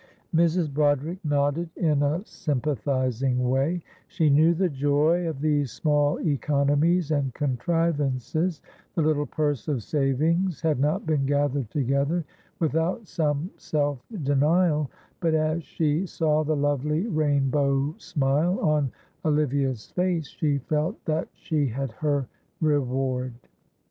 Mrs. Broderick nodded in a sympathising way she knew the joy of these small economies and contrivances; the little purse of savings had not been gathered together without some self denial; but as she saw the lovely rainbow smile on Olivia's face, she felt that she had her reward.